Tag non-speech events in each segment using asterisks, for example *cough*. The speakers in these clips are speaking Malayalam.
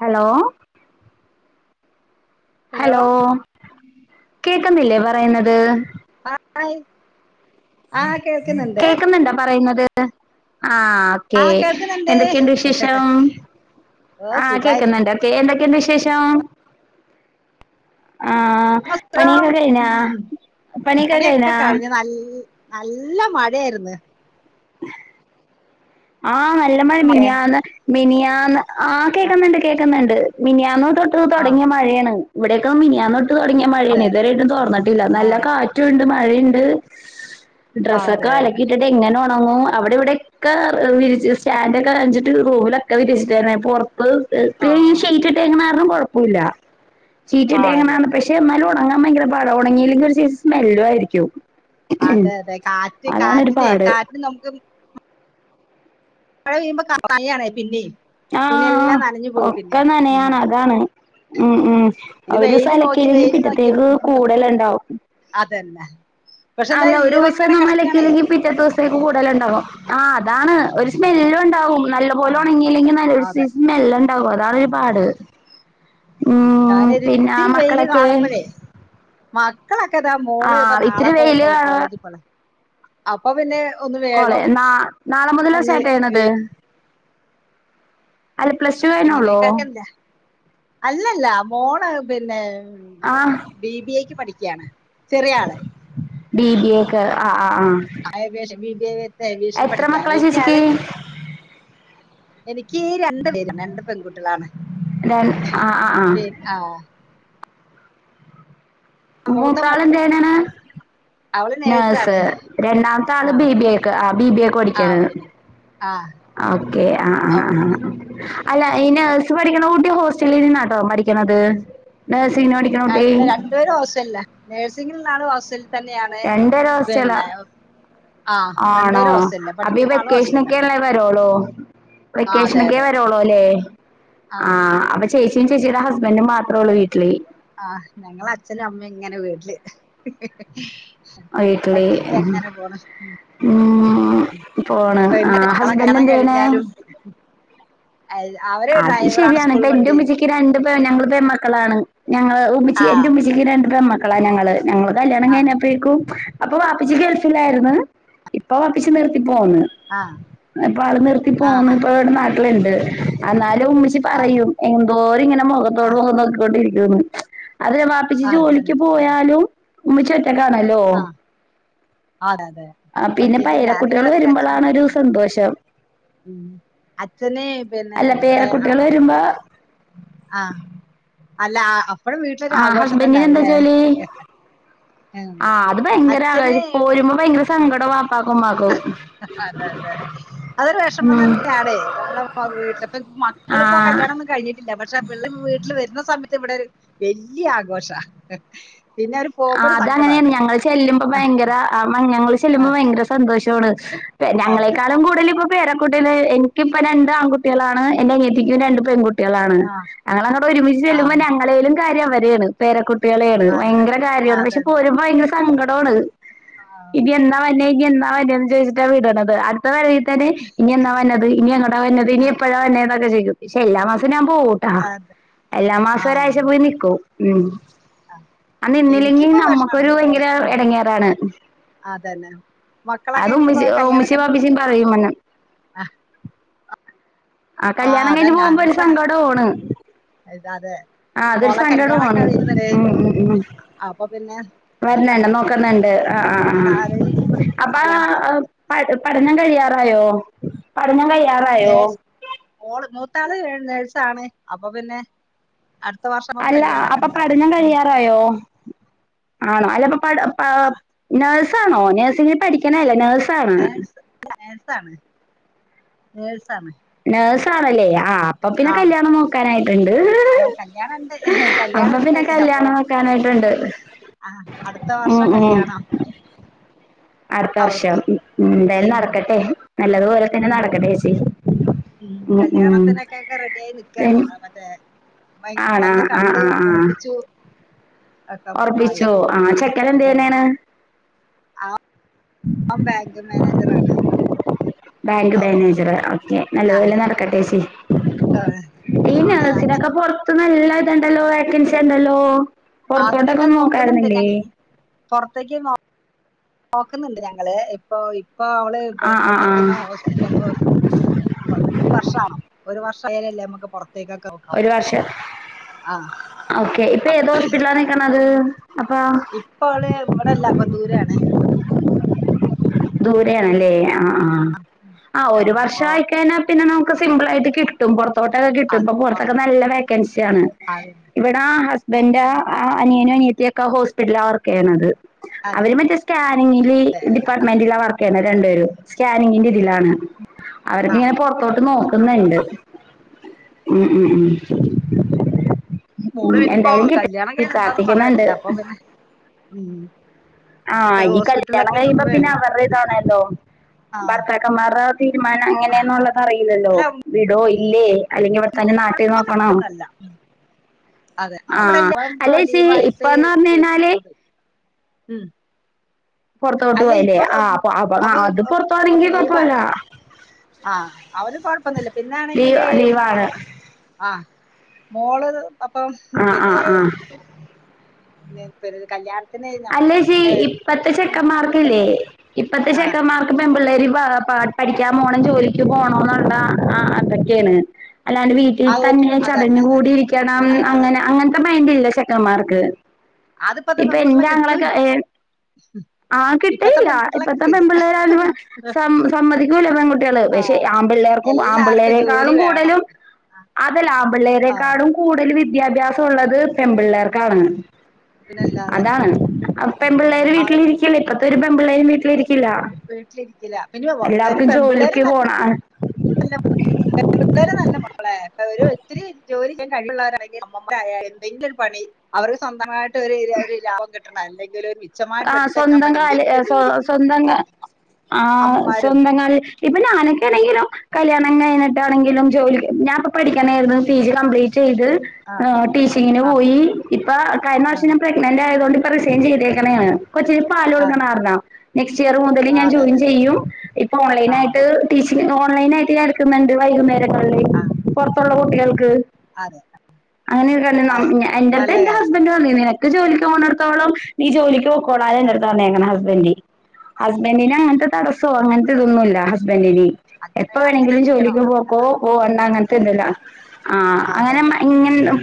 ഹലോ ഹലോ കേക്കുന്നില്ലേ പറയുന്നത് ആയി കേക്കുന്നുണ്ടോ പറയുന്നത് ആ ആഹ് കേൾക്കുന്നുണ്ട് എന്തൊക്കെയുണ്ട് വിശേഷം ഓ ആഹ് സുഖായിരി കേക്കുന്നുണ്ട് െ എന്തൊക്കെഉണ്ട് വിശേഷം ആഹ് ം പണിയൊക്കെ കഴിഞ്ഞാ പണിയൊക്കെ വിപ്പണിയൊക്കെ കഴിഞ്ഞാ കഴിഞ്ഞ് നല്ല നല്ല മഴായിരുന്നു ആഹ നല്ല മഴ മിനിയാന്ന് മിനിയാന്ന് ആ കേക്കുന്നുണ്ട് കേൾക്കുന്നുണ്ട് മിനിയാന്ന് തൊട്ട് ആ തുടങ്ങിയ മഴയാണ് ഇവിടെയൊക്കെ മിനിയാൻ തൊട്ട് തുടങ്ങിയ മഴയാണ് ഇതുവരട്ടും തോന്നിട്ടില്ല ആ നല്ല കാ റ്റണ്ട് മഴയുണ്ട് ആ, ഡ്രസ്സൊക്കെ അതെ അലക്കിട്ടിട്ട് എങ്ങനെ ഉണങ്ങും അവിടെ ഇവിടെൊക്കെ വിരി സ്റ്റാൻഡ് ഒക്കെ കറഞ്ഞിട്ട് റൂമിലൊക്കെ വിരിച്ചിട്ടായിരുന്നു പുറത്ത് ആ ഈ റ്റ് കാരണം കുഴപ്പമില്ല ഷീറ്റ് ആ അതെ കാരണം പക്ഷെ എന്നാലും ഉണങ്ങാൻ ഭയങ്കര പട ഉണങ്ങിയിെങ്കിൽ ഒരു സ്മെല്ലു ആയിരിക്കും അതെ അതെ കാറ്റ് അതാണൊരു കാറ്റിനെ പാട് കാറ്റന് നമുക്ക് മഴ പെയ്യുമ്പോ കാണേ പിന്നെ ആഹ് തുണിയെല്ലാം നനഞ്ഞു പോകും പിന്നെ ഒക്കെ ഉം നാനയാണ് അതാണ് ഉം ഉം ഇത് ഒരു വെയില് നോക്കി സ്ഥലക്കല്ലെങ്കിൽ വെയില് നോക്കി പിറ്റത്തേക്ക് വീണ്ടും കൂടല ഉണ്ടാവും അതന്നെ പക്ഷെ എന്താ അല്ല ഒരു ദിവസം ഈറങ്ങനെ കിടക്കാണേ നമ്മലക്കെങ്കിൽ പിറ്റ ദിവസത്തേക്ക് കൂടുതല ഉണ്ടാവും ആ അതാണ് ഒരു സ്മെല്ല ഉണ്ടാവും നല്ല ആ പോലെ ഉണങ്ങിയില്ലെങ്കിൽ നല്ലൊരു അതെ സീസൺ മെല്ല ഉണ്ടാാവും അതാണ് ആ ഒരുപാട് ഉം പിന്നെ ആ ഞാനൊരിത്തിരി വെയില് മക്കളൊക്കെ കാണുമ്പഴേ മക്കളൊക്കെ ഇതാ ആ മോള് ഇപ്പ നാളെ ഇത്തിരി പോ വെയില് പോ കാണ കോളേജിൽ പോലെ അപ്പൊ പിന്നെ ഒന്ന കോളേ ന നാളെ മുതലാ സ്റ്റാർട്ട ചെയ്യണത് അല്ല പ്ലസ് ടു കഴിഞ്ഞുള്ളൂ. എങ്ങനെയൊക്കെല്ല അല്ലല്ല മോള് പിന്നെ ആ ബി ബി എ ക്ക് പഠിക്കുകയാണ്. ചെറിയ ആള് ബി ബി എ ക്ക് ആഹ് ആഹ് ആഹ്. Aviation B B A with ഏവിയേഷിന് പഠിക്കാ മക്കളാ വലിയ ചേച്ചിക്ക്? ആള്. എനിക്ക് ഈ രണ്ടുപേരും രണ്ട് പെൺകുട്ടികളാണ്. ര ആ ആ ആ ആഹ് മൂത്താള് എന്ത് ചെയ്യണത്? അവള് നേഴ്സ് നേഴ്സാണ് രണ്ടാമത്തെ ആ ആള് ബി ബി എ ക്ക് ആഹ് ബി ബി എ ക്ക് പഠിക്കേണ്. ആഹ് ഓക്കേ ആഹ് ആഹ് ആഹ്. അല്ല ഈ നേഴ്സ് പഠിക്കണ് കുട്ടി ഹോസ്റ്റലിൽ നിന്നാട്ടോ പഠിക്കണത്, നേഴ്സിംഗ് പഠി ആഹ് രണ്ടുപേരും ഹോസ്റ്റലിലാ നഴ്സിംഗിൽ നിന്നും ആണ് ഹോസ്റ്റലിൽ. തന്നെയാണ് രണ്ടുപേരും ഹോസ്റ്റലാ പിന്നെ. ആഹ് ആണോ രണ്ടുപേരും ഹോസ്റ്റലിലാ, അപ്പൊ ഈ പഠിക്കുന്ന ആളും ഹോസ്റ്റലിലാ. വെക്കേഷനൊക്കെയല്ലേ വരുള്ളൂ, വെക്കേഷൻ ഒക്കെ വരുള്ളൂ അല്ലേ ആ ആഹ് അപ്പൊ. ചേച്ചിയും ചേച്ചിയുടെ ഹുസ്ബൻഡും മാത്രമേയുള്ളൂ വീട്ടില്. ആഹ് ഞങ്ങളെ അച്ഛനും അമ്മയും ഇങ്ങനെ വീട്ടില്. വീട്ടില് ഒറ്റയ്ക്ക് അങ്ങനെ പോണു. ഉം പോണ് ആഹ് ഹുസ്ബൻഡ് എന്ത് ചെയ്യണ്. ഉ അല്ല അവൻ അത് ശരിയാണ് ഇപ്പ എന്റെ ഉമ്മച്ചിക്ക് രണ്ട് പെൺ ഞങ്ങള് പെമക്കളാണ്, ഞങ്ങള് ഉമ്മച്ചി എന്റെ ആഹ് ഉമ്മച്ചി. ഉമ്മച്ചിക്ക് രണ്ട് പെൺമക്കളാ ഞങ്ങള്, ഞങ്ങള് കല്യാണം ആഹ് കഴിഞ്ഞപ്പം. അപ്പോഴേക്കും അപ്പൊ വാപ്പച്ചി ഗൾഫിലായിരുന്നു, ഇപ്പൊ വാപ്പച്ചി നിർത്തി പോന്ന്. ആഹ് ഇപ്പ ആള് നിർത്തി പോന്ന് ആഹ് ഇപ്പ ഇവിടെ നാട്ടിലുണ്ട്, എന്നാലും ഉമ്മച്ചി ആഹ് പറയും. എന്തോരം ഇങ്ങനെ മുഖത്തോട് ആഹ് മുഖം നോക്കിക്കൊണ്ടിരിക്കുന്നു, അതിന് ബാപ്പച്ചി ജോലിക്ക് അതന്നെ പോയാലും. ഉമ്മച്ചി ഒറ്റയ്ക്കാണല്ലോ? ആണാണ്. ആഹ് പിന്നെ പേരക്കുട്ടികള് വരുമ്പോളാണ് ഒരു സന്തോഷം. ഉം അച്ഛന് പിന്നെ ഇവിടെ. കുട്ടികള് ആഹ് വരുമ്പോ. ആഹ് അല്ല അപ്പഴും വീട്ടിലൊരു ആഹ് ആഘോഷം തന്നെ ആവുല്ലേ. ആഹ് അത് ഭയങ്കര അവിടെ ഒരു പോരുമ്പോൾ ഭയങ്കര സങ്കടം വപ്പാക്കും ഉമ്മാക്കും. അതെ അതെ അതൊരു വിഷം തന്നെയാണേ ഞമ്മള് വീട്ടിൽ ഒക്കെ ആ മക്കള് ഇപ്പോ കല്യാണം ഒന്നും കഴിഞ്ഞി ട്ടില്ല പക്ഷെ പിള്ളരെ വീട്ടിൽ വരുന്ന സമയത്ത് ഇവിടെ ഒരു വലിയ ആഘോഷ പിന്നെ ഒരു. പോകുമ്പോ ആഹ് അത് അങ്ങനെയാണ് സങ്കടമാണ് ഞങ്ങളെ ചെല്ലുമ്പോ ഭയങ്കര ആഹ് ഞങ്ങളെ ചെല്ലുമ്പോ ഭയങ്കര സന്തോഷമാണ്. അതെ ഞങ്ങളെക്കളും കൂടുതൽ ഇപ്പോ പേരക്കുട്ടിന്, എനിക്കിപ്പോ രണ്ട് ആൺകുട്ടികളാണ്, എന്റെ അനിയത്തിക്കും രണ്ട് പെൺകുട്ടി കുട്ടികളാണ് ആ ഞങ്ങൾ അങ്ങോട്ട് ഒരുമിച്ച് ചെല്ലുമ്പോ ഞങ്ങളേലും കാര്യം അവരെയാണ് പേരകുട്ടികളെയാണ് അതെ ഭയങ്കര. ആണ്, അതെ പക്ഷെ പോരുമ്പ ഭയങ്കര സങ്കടമാണ്. ആണോ? ഇനി എന്നാ വരുന്നേ ഇനി എന്നാ വരിക, ചോദിച്ചിട്ടാ വിടണത്. ഇപ്പൊ വരവിൽ തന്നെ ഇനി എന്നാ വരുന്നത് ഇനി എങ്ങോട്ട് വരുന്നത് ഇനി ആ, എപ്പഴാ വരുന്നേനൊക്കെ ചോദിക്കും, പക്ഷേ എല്ലാ മാസവും ഞാൻ പോവും. ആഹ് അതെ എല്ലാ മാസവും ഒരാഴ്ച പോയി നിക്കും ഉം. ആഹ് ആഹ് നിന്നില്ലെങ്കിൽ നമുക്കൊരു ഭയങ്കര ഇടങ്ങേറാണ്. അതെന്നെ മക്കളൊക്കെ ഇനിയിപ്പോ കല്യാണം. എന്റെ കഴിഞ്ഞ് ബാപ്പച്ചിയും പറയും വന്ന്. ആ, ആഹ് ആ കല്യാണം കഴിഞ്ഞ് അതന്നെ പോകുമ്പോ ഒരു അതും സങ്കടവാണ്. ഇത് അതെ ആഹ് അതൊരു മോളെ കല്യാണൊക്കെ സങ്കടുമാണ് വരുന്നത് ഉം ഉം ഉം അപ്പൊ പിന്നെ വര്ന്ണ്ട നോ ക്കുന്നുണ്ട് ആഹ് ആഹ് തലേന്ന് ഇരിക്കുമ്പോ ആഹ് അപ്പം കല്യാണൊക്കെ നോക്കണം പഠനം കഴിയാറായോ പഠനം കഴിയ്യാറായോ മോൾ മൂത്താള് നേഴ്സാണ് അപ്പം പിന്നെ അടുത്ത വർഷം വു അല്ല കല്യാണൊക്കെ അപ്പൊ ണ്ടാവും പഠനം ഉം *unintelligible* ആണോ അല്ല പ്പം പ പ നഴ്സ് ആണോ നഴ്സിംഗ് പഠിക്ക് ണേ അല്ലേ നേഴ്സാണ് നേഴ്സ് ആണ് നേഴ്സ് ആണ് നേഴ്സാണല്ലേ ആ അപ്പം പിന്നെ കല്യാണം നോക്കാനായി ആഹ് കല്യാണംണ്ട് അപ്പൊ കല്യാണംണ്ട് പിന്നെ അപ്പം കല്യാണം നോക്കാനായിട്ടുണ്ട് ആഹ് അടുത്ത ഉം വർഷം ഉം കല്യാണ അടുത്ത വർഷം എന്തായാലും ഉം നടക്കട്ടെ. നല്ലതുപോലെ തന്നെ ഉം നടക്കട്ടെ ചേച്ചി. ഉം കല്യാണത്തിനൊക്കെ ക്കെ റെഡിയായി പി നിക്കാണ് മ മറ്റേ. ആണാ വന്ന് ആ കണ്ട് ആ ഉറപ്പിച്ചു. ഒക്കെ ആയി ഒറപ്പിച്ചു ആ ചെക്കന് ഓ എന്തെയ്യ് ണേണ് ഓൻ ബാങ്ക് മാനേജറാണ്. ബാങ്ക് അപ്പം മാനേജർ ഓക്കെ നല്ല ആഹ് പോലെ നടക്കട്ടെ ച്ചി ഈ അവിടെ അച്ഛൻ നേഴ്സിനൊക്കെ പൊറത്ത് നല്ല ഇത്ണ്ടല്ലോ വേക്കൻസി ണ്ടല്ലോ. പൊറത്തോട്ടൊക്കെ ഒന്ന് നോക്കായിരുന്നില്ലേ. പൊറ് ത്തേക്ക് നേ നോക്കുന്നുണ്ട് ഞങ്ങള് ഇപ്പൊ ഇപ്പൊ അവള് ആ ആ ആ നിക്കുന്ന ഹോസ്പിറ്റല് വർക്ക് ഒരു വർഷ ആവണ്ണം ഒരു വർഷയാലല്ലേ നമ്മക്ക് പുറത്തേക്കൊക്കെ. നോക്കാൻ ഒരു പറ്റുള്ളൂ വർഷം. ആ ഓക്കെ ഇപ്പൊ ഏത് ഹോസ്പിറ്റലനിക്ക്ണത് അപ്പൊ. ഇപ്പ വ ള് ഇവിടെല്ലപ്പ ദൂരാണ് ദൂരെണ് അല്ലേ ആഹ്ആ് ആഹ് ഒരു അപ്പൊ വർഷം ആയിക്കഴിഞ്ഞാൽ പിന്നെ നമുക്ക് സിംമ്പിൾ ആയിട്ട്കി കിട്ടും പുറത്തോട്ടൊക്കെ കിട്ടും ഇപ്പ പുറത്തൊക്കെ നല്ല വേക്കൻസി ആണ്. അതെ ഇവിടാ ഹസ്ബന്റാ അനിയനും അനിയത്തിയൊക്കെ ഹോസ്പിറ്റലാവർക്ക് യ്യണത്. അതെ അവര് മറ്റേ സ്കാനിങ്ങില് ഡിപ്പാർട്ട്മെന്റിലാ വർക്ക് ചെയ്യ്ണേ രണ്ടുപേരും സ്കാനിങ്ങിന്റെ ഇതിലാണ്. ആ അവര്ക്കങ്ങനെ പുറത്തോട്ട് നോക്കുന്നുണ്ട് ഉം ഉം ഉം മ് മോള് ഉം പിന്നഞ്ഞി. പ്പോ എന്തായാലും കിട്ടി കല്യാണം കയിഞ്ഞ എന്താന്ന് പറയാൻ പ്രാർത്ഥിക്കുന്നുണ്ട്. പറ്റില്ല അപ്പം പിന്നെ ഉം ആഹ് ഇപ്പൊ ഇനി കല്യാണം ഹോസ്പിറ്റലിലൊക്കെ കഴിയുമ്പോ നിന്ന് പിന്നെ അവരുടെ ഇതാണല്ലോ. ആ ഭർത്താക്കന്മാരുടെ തീരുമാനം എങ്ങനെയന്നുള്ളത് അറിയില്ലല്ലോ അല്ല വിടോ ഇല്ലേ. അല്ലെങ്കി ഇവിടെത്തന്നെ നാട്ടി നോക്കണോ. ഒന്നല്ല അതെ ആ അവിടെല്ല അല്ല ചേച്ചി ലീവായിട്ട് ഇപ്പന്ന് പറഞ്ഞു പോയി കഴിഞ്ഞാല് കോട്ടത് പുറത്തോട്ട് പോയാല് ആഹ് അ അവ അത് പുറത്താണെങ്കി കൊഴപ്പല്ല. ആഹ് അവന് കൊഴപ്പൊന്നില്ല ലീവ് പിന്നൊണെങ്കില് ലീവാണ് ആഹ് മോള് അപ്പം ആ ആ പിന്നെ. ആ *unintelligible* കല്യാണ് അല്ലേ ച്ചി ഇപ്പത്തെ ചെക്കൻമാർക്ക്ല്ലേ ഇപ്പത്തെ ആ ചെക്കൻമാ പെൺപിള്ളേരി പ പഠിക്കാൻ പോണം ജോലിക്ക് പോണം ന്നുള്ള ആ അതൊക്കെയാണ്. അല്ലാണ്ട് വീട്ടിൽ ആ ഒരു തന്നെ അതന്നെ ചടഞ്ഞു കൂടി അതന്നെ ഇരിക്കണം ആ, അതാ അങ്ങനെ അങ്ങനത്തെ മൈന്റെല്ല ചെക്കന്മാർക്ക്. അത് പ്പത്തെ പെൺ കുട്ടിയെളെ കി ക്കളൊക്കെ ഏ *inaudible* ആഹ് ഇപ്പത്തെ കിട്ടിയില്ല പെൺകുട്ടികളെ ഇപ്പത്തെ കിട്ടൂല്ല പെൺപിള്ളേർ സമ്മതിക്കൂല പെൺകുട്ടികള് ആ പക്ഷെ ആൺ പ്പിള്ളേർ എല്ലാവർക്കും ജോലി ആൺപ്പിള്ളേരക്കാളും വേണം കൂടുതലും അതല്ല ആൺപിള്ളേരെ ആ ക്കാളും കൂടുതൽ വിദ്യാഭ്യാസം ഉള്ളത് പെൺപിള്ളേർക്കാണ് പിന്നല്ലാതെ അതാണ്. പെൺപിള്ളേർ അവര് വീട്ടിലിരിക്കില്ല ഇപ്പത്തെ ഒരു പെൺപിള്ളേരും വീട്ടിലിരിക്കില്ല. വീട്ടിലിരിക്കില്ല പിന്നെ വ- അതിന് എല്ലാവർക്കും പെൺപിള്ളേര് ജോലിക്ക് പോണ. *unintelligible* നല്ല. മോളെ അപ്പൊ അവ ഒത്തിരി ജോലി ചെയ്യാൻ കഴിയുള്ളവരാണെങ്കിൽ *unintelligible* പണി അവർക്ക് സ്വന്തമായിട്ട് ഒരു ഒരു ലാഭം കിട്ടും. അല്ലെങ്കില ഒരു മിച്ചമായിട്ട് ആ് എടുത്തേക്കാൻ സ്വന്തം പറ്റും കല് എന്തെങ്കിലും ഒരു ജോലിക്ക് സ്വന്തം കാ പോ ആ അമ്മമാരും സ്വന്തം കല്. ഇപ്പൊ നാനക്കെയാണങ്കിലോ. കല്യാണം കഴിഞ്ഞിട്ടാണെങ്കിലും ജോലി ഞാൻിപ്പ പഠിക്കാനായിരുന്നു പി ജി കംപ്ലീറ്റ് ചെയ്ത്. ആ ടീച്ചിങ്ങിന് ആ പോയി ഇപ്പൊ കഴിഞ്ഞ ആ വർഷം ഞാൻ പ്രെഗ്നന്റ് ആയത കൊണ്ട് ഇപ്പൊറിസൈൻ ചെയ്തേക്കണ് ഞാൻ. കൊച്ചിന് പാല് ആ കൊടുക്ക്ണ കാരണനെക്സ്റ്റ് ക്സ്റ്റ് ഇയർ മുതല് ആ, ഞാൻ അതെ ജോയിൻ അതെ ചെയ്യും ഇപ്പൊ ഓൺലൈൻ ആ ആയിട്ട് ടീച്ചിംഗ് ഓൺലൈനായിട്ട് ഞാ എട്ക്ക്ന്ന്ണ്ട് വൈകുന്നേരങ്ങൾല് ആ പൊറതുള്ള കുട്ടികൾക്ക് അതെ അങ്ങനെയൊക്കണ്ട് അതെ ആണ് എന്റെ അട്ത്ത് നല്ല എന്റെ കാര്യം ഹസ്ബന്റ് പറഞ്ഞീന്നു നിനക്ക് ജോലിക്ക് പോണട്ത്തോളം നീ ജോലിക്ക് പൊ കൊടാന് ആ ഇന്റട്ത്ത സ്നേഹാണ് ഹസ്ബന്റ് ഹസ്ബന്റിന് അങ്ങൻത്തെ തടസ്സൊ അങ്ങൻത്തെ തൊന്നുല്ല ഹസ്ബന്റ്ന് അങ്ങനെ എപ്പൊ അങ്ങനെ വേണെങ്കിലും ഇരിക്കണം ജോലിക്ക് പൊക്കോ അതാ പോവണ്ട അങ്ങൻത്തെ ഇതില ആഹ് അതന്നെ അങ്ങനെമൻ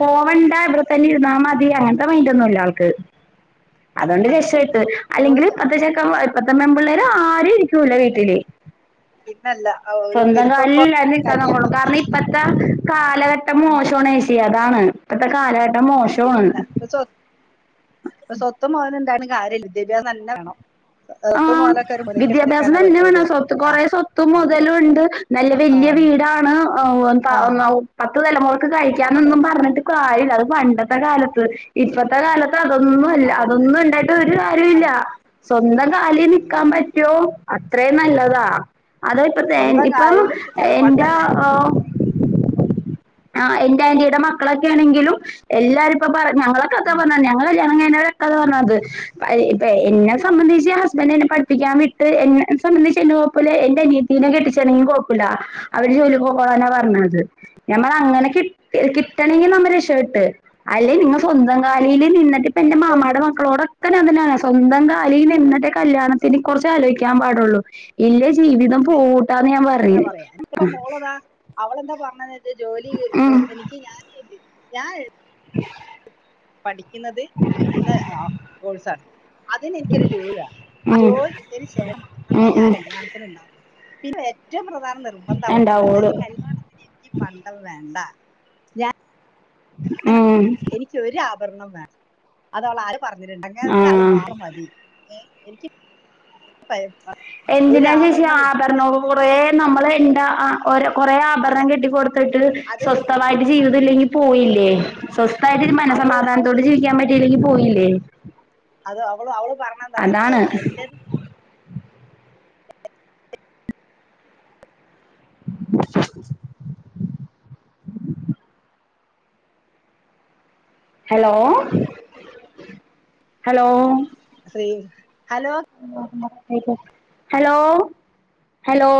പോവണ്ട ഇവിട്ത്തന്നെ ഇരുന്നാ മതി അങ്ങൻത്തെ മൈൻഡൊന്നുല്ല ആൾക്ക് അതുകൊണ്ട് രക്ഷപെട്ടു അല്ലെങ്കില് ജോലി അവ- പത്ത് ചക്കനമാർഇപ്പോൾത്തെ മെമ്പിള്ളേര് ആരു ഇരിക്കൂല വീട്ട്ല് പിന്നല്ല ആ, ഒരു സ്വന്തം പിന്നിപ്പപ്പോ കാലില്ലാന്ന നിക്കണ കല്യാ കൊള്ള കാര്ണം ഇപ്പ ഇത്ത കാലഘട്ടം ഉം, മോശവാണ് ചേച്ചി അതാണ് പ്പത്തെ കാലഘട്ടം മോശവാണ് സ്വത്തും മൊതലൊക്കെ ണ്ടായിട്ട്കാര്യല്ല വിദ്യാഭ്യാസം തന്നെ വേണം സ്വത്ത് ആഹ് മൊതലൊക്കെ വിദ്യാഭ്യാസം തന്നെ വേണം. സ്വത്ത് കൊറെ സ്വത്തും ആ മുതലും ഉണ്ട് നല്ല ആ വല്യ വീടാണ് അവ് ആ അവ് പത്ത് തലമൊറക്ക് അവകഴിക്കാനൊന്നും പറഞ്ഞിട്ട് കാര്യല്ല അത് പണ്ടത്തെ കാലത്ത് ഇപ്പത്തെ കാലത്ത് അതൊന്നും അല്ല. അതന്നെ അതൊന്നും ണ്ടായ്ട്ട് ഒര് കാര്യൊ ഇല്ല സ്വന്തം തള്ളി നിക്ക അതന്നെ പറ്റൊ അത്രേ നല്ലതാ അത് ഇ പ്പ തേൻ സ്വന്തം ഇപ്പ കാര്യത്തിലും പിന്നെ അതുപോലെ എന്റെഓ തന്നെ ആഹ് എന്റെ ആന്റീടെ മക്കളൊക്കെ ആണെങ്കിലും എല്ലാരും ഇപ്പ പറ ഞങ്ങളെ കഥ ഉം പറ്ഞ്ഞ ഞങ്ങളെകല്യാണ കഴിഞത് കഥ പറഞ്ഞത ഇത് ബൈബൈ ന്നെ സംബന്ധിച്ച് ഹസ്ബന്റ എന്നെ പഠിപിക്കാൻ വിട്ട് എന്നെ സംബന്ധിച്ച് കൊഴപ്പല്ല എന്റെറെ അനിയത്തീനെ കെട്ടിച്ചനെങ്കിലും കൊഴപ്പല്ല അവര് ജൊലി പൊക്കോളാനാ പറ്ഞ്ഞത് ഞമ്മള അങ്ങനെകി കിട്ടണെങ്കി നമ്മ രക്ഷ പെട്ട് അല്ലെ നിങ്ങ സ്വന്തം കാലേൽ നിന്നിട്ട് എന്റെ മാമാടേ മക്കളോടൊക്ക ഞാൻ തന്നെപറയ സ്വന്തം കാലിൽ നിന്നിട്ട് കല്യാണത്തിന് കൊറ്ച്ച് ആലോയ്ക്കാൻ പാടൊള്ളു ഇല്ല ജീവിതം പോവൂട്ടാന്ന് ഞാൻ പറഞീന്ന് അവളെന്ത പർഞ്ഞ ജോലി ഉം എനിക്ക് ഞാൻ ഞാൻ *unintelligible* *inaudible* പഠിക്ക്ന്നത് ഇന്നഓ കോഴ്സാണ് അതിന് എനിക്കൊര് ജോലി വേണം ഉം ജോലി കിട്ടീന് ശേഷം മാത്രമെ ഉം ഞാൻ ഉം കല്യാ ത്തിന് ഇണ്ടാവു. പിന്നെ ഏറ്റവും പ്രധാനം നിർബന്ധം ഉണ്ടാവുള്ളു അവൾക്കെന്താച്ചാല് കല്യാണത്തിന് പണ്ടം വേണ്ട ഉം എനിക്കൊര് ആഭര്ണം വേണം അതവള് ആര് പറഞ്ഞിട്ട്ണ്ട് അങ്ങൻത്തെ ആള് ആഹ് മാത്രം മതി ഏഹ് എനിക്ക് പയ്പ്പ എന്തിനാ ചേച്ചി ആഭര്ണവും കൊറേ നമ്മള് ഇണ്ടാ ആഹ് ഒര് കൊറേ ആഭര്ണം അതെ കെട്ടി ക്കൊട്ത്ത്ട്ട് അത് സ്വസ്ഥവായിട്ട് ജീവിത അതന്നെ ഇല്ലെങ്കി പോയില്ലെ സ്വസ്ഥായിട്ടൊര് അവള് അവള് മനസമാധാനത്തോട് ജീവിക്കാൻ പറ്റീല്ലെങ്കി പോയില്ലെ അത് അവള് അവള് പറഞ്ഞ എന്തറയ എന്റെ *inaudible* ഹലോ ഹലോ ശ്രീം ഹലോ ഹലോ, ഹലോ